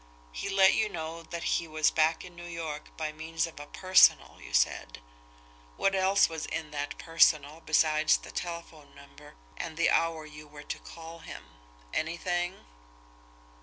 He let you know that he was back in New York by means of a 'personal,' you said. What else was in that 'personal' besides the telephone number and the hour you were to call him? Anything?"